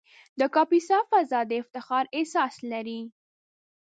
د کاپیسا فضا د افتخار احساس لري.